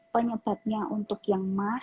penyebabnya untuk yang ma